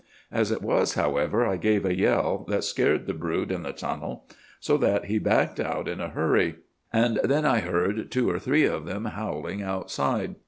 As it was, however, I gave a yell that scared the brute in the tunnel, so that he backed out in a hurry, and then I heard two or three of them howling outside.